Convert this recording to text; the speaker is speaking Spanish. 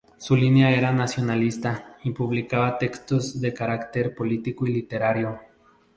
Su línea era nacionalista y publicaba textos de carácter político y literario.